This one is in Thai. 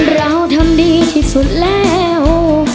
เราทำดีที่สุดแล้ว